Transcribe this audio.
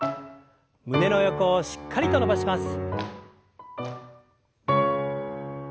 胸の横をしっかりと伸ばします。